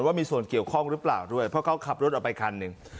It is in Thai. ว่ามีส่วนเกี่ยวข้องรึเปล่าด้วยพ่อเค้าขับรถออกไปคันนึง